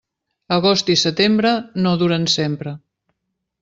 Agost i setembre no duren sempre.